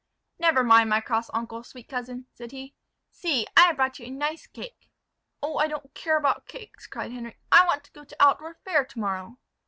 "Never mind my cross uncle, sweet cousin," said he: "see, I have brought you a nice cake." "Oh! I don't care about cakes," cried Henric. "I want to go to Altdorf fair to morrow."